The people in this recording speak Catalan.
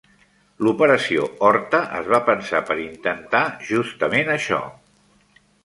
L'operació Horta es va pensar per intentar justament això.